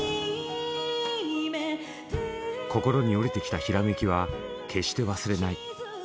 心に降りてきたひらめきは決して忘れない。